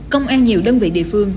công an nhiều đơn vị địa phương